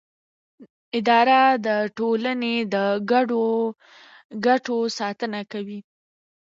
اداره د ټولنې د ګډو ګټو ساتنه کوي.